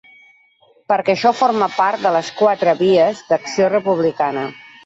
Perquè això forma part de les quatre vies d’acció republicana.